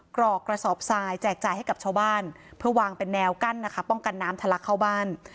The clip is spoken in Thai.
กรอกกระสอบทรายแจกจ่ายให้กับชาวบ้านเพื่อวางเป็นแนวกั้นนะคะป้องกันน้ำทะลักเข้าบ้าน